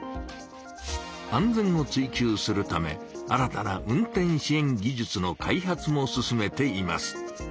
安全を追求するため新たな運転支援技術の開発も進めています。